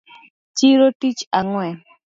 Chiro tich ang’wen